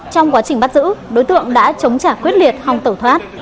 trong quá trình bắt giữ đối tượng đã chống trả quyết liệt hòng tẩu thoát